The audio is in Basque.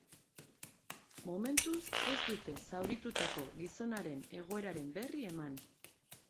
Momentuz, ez dute zauritutako gizonaren egoeraren berri eman.